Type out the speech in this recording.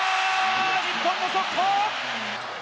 日本の速攻！